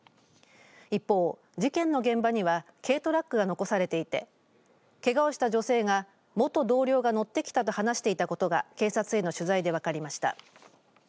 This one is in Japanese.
一方、事件の現場には軽トラックが残されていてけがをした女性が元同僚が乗ってきたと話していたことが警察への取材で分かりました。